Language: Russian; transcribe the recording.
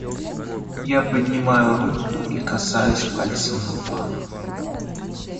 Я поднимаю руку и касаюсь пальцем лба.